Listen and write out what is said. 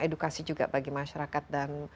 edukasi juga bagi masyarakat dan